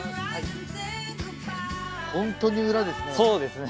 本当に裏ですね。